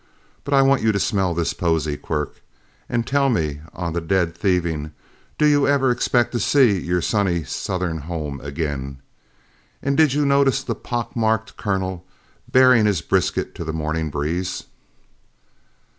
But I want you to smell this posy, Quirk, and tell me on the dead thieving, do you ever expect to see your sunny southern home again? And did you notice the pock marked colonel, baring his brisket to the morning breeze?"